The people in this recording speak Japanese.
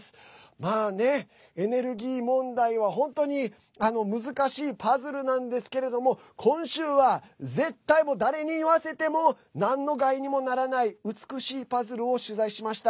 まあね、エネルギー問題は本当に難しいパズルなんですけれども今週は絶対、誰に言わせてもなんの害にもならない美しいパズルを取材しました。